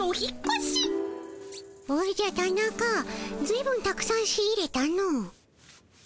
おじゃタナカずいぶんたくさん仕入れたの。